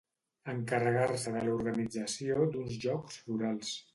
Encarregar-se de l'organització d'uns jocs florals.